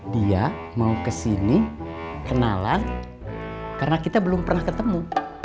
dia mau kesini kenalan karena kita belum pernah ketemu